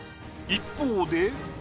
一方で。